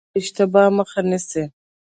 کنټرول د اشتباه مخه نیسي